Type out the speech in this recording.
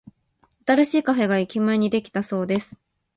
新しいカフェが駅前にできたそうです。